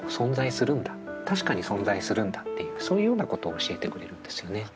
確かに存在するんだっていうそういうようなことを教えてくれるんですよね。